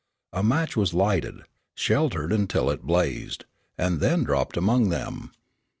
A match was lighted, sheltered, until it blazed, and then dropped among them.